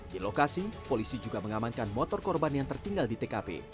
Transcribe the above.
di lokasi polisi juga mengamankan motor korban yang tertinggal di tkp